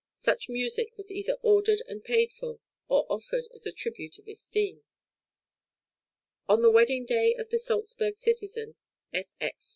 Such music was either ordered and paid for, or offered as a tribute of esteem. On the wedding day of the Salzburg citizen F. X.